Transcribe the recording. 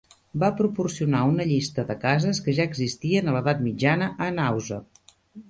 Va proporcionar una llista de cases que ja existien a l'edat mitjana a Anhauze.